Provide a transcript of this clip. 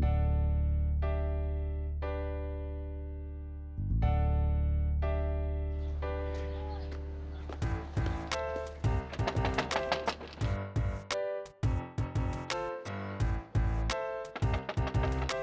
total abah total